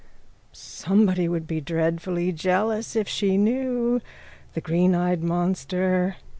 _ Somebody would be dreadfully jealous if she knew. The greeneyed monster.